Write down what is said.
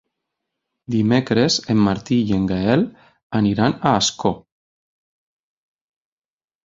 Dimecres en Martí i en Gaël aniran a Ascó.